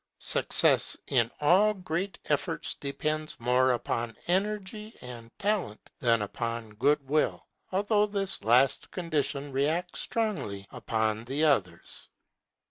Success in all great efforts depends more upon energy and talent than upon goodwill, although this last condition reacts strongly upon the others.